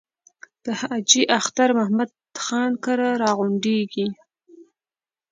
د حاجي اختر محمد خان کره را غونډېږي.